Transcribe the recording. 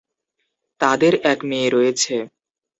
তাঁদের এক মেয়ে রয়েছে।